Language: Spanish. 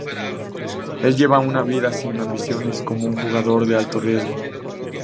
El lleva una vida sin ambiciones como un jugador de alto riesgo.